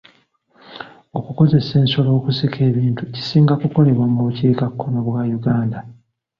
Okukozesa ensolo okusika ebintu kisinga kukolebwa mu bukiikakkono bwa Uganda.